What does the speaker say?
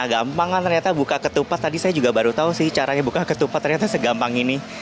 gampang kan ternyata buka ketupat tadi saya juga baru tahu sih caranya buka ketupat ternyata segampang ini